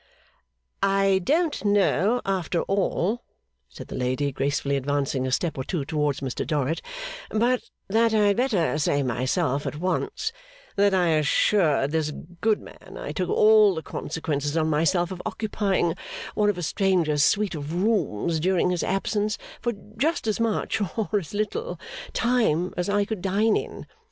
'I don't know, after all,' said the lady, gracefully advancing a step or two towards Mr Dorrit, 'but that I had better say myself, at once, that I assured this good man I took all the consequences on myself of occupying one of a stranger's suite of rooms during his absence, for just as much (or as little) time as I could dine in.